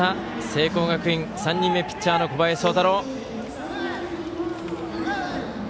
聖光学院、３人目ピッチャーの小林聡太朗。